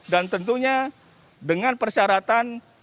dan tentunya dengan persyaratan